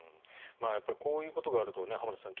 こういうことがあると浜田さん